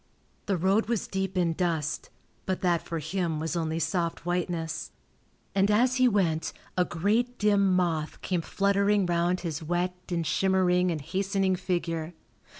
The road was deep in dust, but that for him was only soft whiteness, and as he went a great dim moth came fluttering round his wet and shimmering and hastening figure.